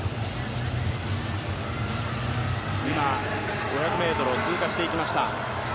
今、５００ｍを通過していきました。